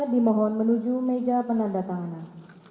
dimohon menuju meja penanda tanganan